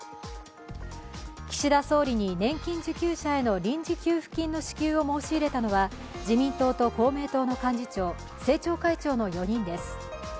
総理に年金受給者への臨時給付金の支給を申し入れたのは、自民党と公明党の幹事長、政調会長の４人です。